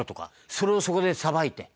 それをそこでさばいて。